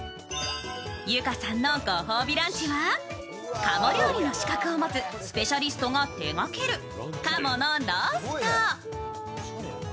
ゆかさんのご褒美ランチは、鴨料理の資格を持つスペシャリストが手がける鴨のロースト。